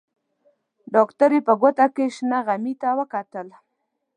ډاکټرې په ګوته کې شنه غمي ته وکتل.